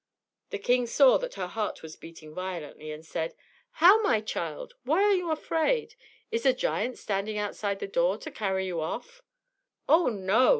The king saw that her heart was beating violently, and said, "How, my child, why are you afraid? Is a giant standing outside the door to carry you off?" "Oh, no!"